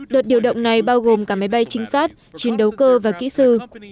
đợt điều động này bao gồm cả máy bay trinh sát chiến đấu cơ và kỹ sư